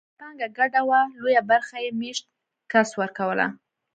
که پانګه ګډه وه لویه برخه یې مېشت کس ورکوله.